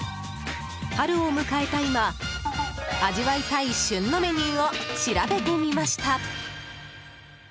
春を迎えた今、味わいたい旬のメニューを調べてみました。